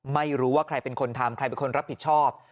ไม่รู้ว่าใครเป็นคนทำใครเป็นคนรับผิดชอบ